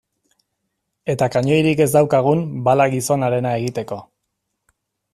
Eta kanoirik ez daukagun, bala gizonarena egiteko.